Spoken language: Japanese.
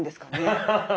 アハハハ